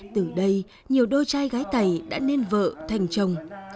từ đây nhiều đôi trai gái tày đã nên vợ thành chồng